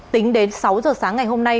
tính đến sáu giờ sáng ngày hôm nay